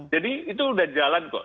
jadi itu sudah jalan kok